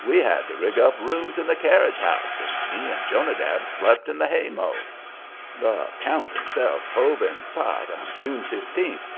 We had to rig up rooms in the carriage house, and me and Jonadab slept in the haymow. The count himself hove in sight on June fifteenth.